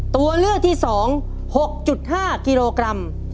ตัวเลือกที่๒๖๕กิโลกรัม